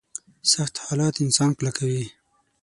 سخت حالات انسان کلکوي.